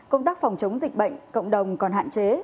công tác phòng chống dịch bệnh cộng đồng còn hạn chế